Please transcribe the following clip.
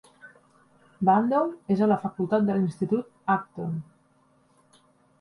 Bandow és a la facultat de l'Institut Acton.